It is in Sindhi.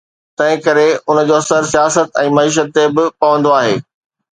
تنهن ڪري ان جو اثر سياست ۽ معيشت تي به پوندو آهي.